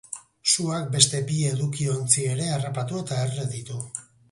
Suak beste bi edukiontzi ere harrapatu eta erre ditu.